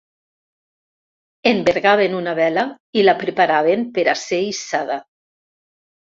Envergaven una vela, i la preparaven per a ser hissada.